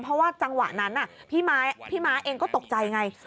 เพราะว่าจังหวะนั้นพี่ม้าเองก็ตกใจไง